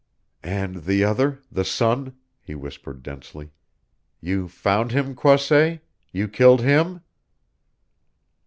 "And the other the son " he whispered densely. "You found him, Croisset? You killed him?"